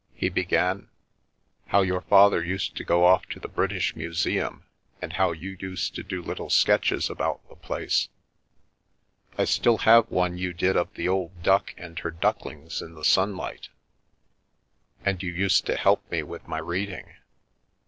he began, how your father used to go off to the British Museum, and how you used to do little sketches about the place? I still have one you did of the old duck and her ducklings in the sunlight. And you used to help me with my read ing.